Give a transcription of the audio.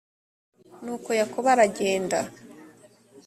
nuko yakobo aragenda